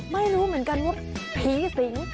ไม่รู้เหมือนกันว่าผีสิง